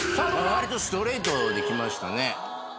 わりとストレートにきましたね。